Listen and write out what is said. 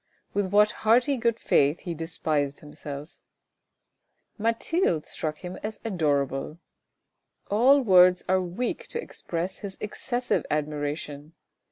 With what hearty good faith he despised himself. CRUEL MOMENTS 359 Mathilde struck him as adorable. All words are weak to express his excessive admiration.